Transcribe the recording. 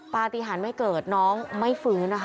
ปฏิหารไม่เกิดน้องไม่ฟื้นนะคะ